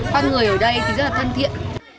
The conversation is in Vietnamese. các người ở đây thì rất là thân thiện